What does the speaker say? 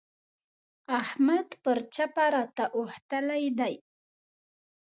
احمد پر چپه راته اوښتلی دی.